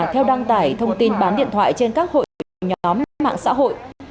theo đăng tải thông tin bán điện thoại trên các hội nhóm mạng xã hội